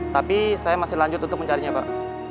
tapi saya masih lanjut untuk mencarinya pak